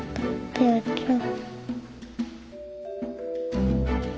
べあちゃん。